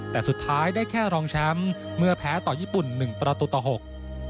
แต่สุดท้ายได้แค่รองแชมป์เมื่อแพ้ต่อญี่ปุ่นหนึ่งประตูต่อหก